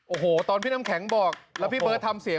โอ้โหตอนพี่น้ำแข็งบอกแล้วพี่เบิร์ตทำเสียง